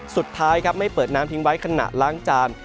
สุดท้ายครับไม่เปิดน้ำทิ้งไว้ขณะล้างจาน